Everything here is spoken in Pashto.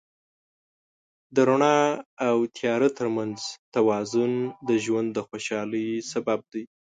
د رڼا او تیاره تر منځ توازن د ژوند د خوشحالۍ سبب دی.